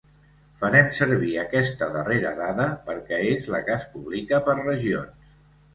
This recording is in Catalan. Farem servir aquesta darrera dada perquè és la que es publica per regions.